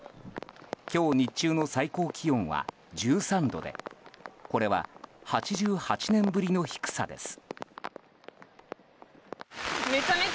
今日、日中の最高気温は１３度でこれは、８８年ぶりの低さです。